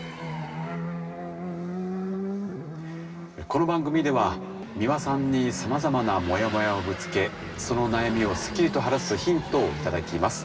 この番組では美輪さんにさまざまなモヤモヤをぶつけその悩みをスッキリと晴らすヒントを頂きます。